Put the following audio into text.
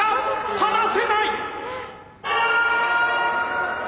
離せない！